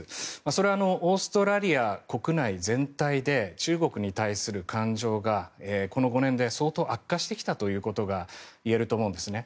それはオーストラリア国内全体で中国に対する感情がこの５年で相当悪化してきたということがいえると思うんですね。